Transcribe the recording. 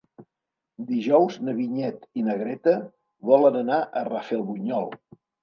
Dijous na Vinyet i na Greta volen anar a Rafelbunyol.